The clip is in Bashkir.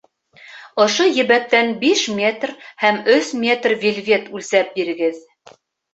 Ошо ебәктән биш метр һәм өс метр вельвет үлсәп бирегеҙ.